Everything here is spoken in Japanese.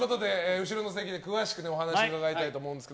後ろの席で詳しくお話を伺いたいと思います。